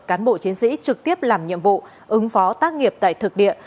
cán bộ chiến sĩ trực tiếp làm nhiệm vụ ứng phó tác nghiệp tại thực địa